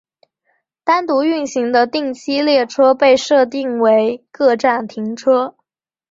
单独运行的定期列车被设定为各站停车。